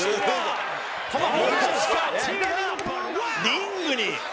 「リングに！」